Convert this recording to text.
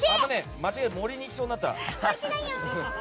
間違えて森に行きそうになった。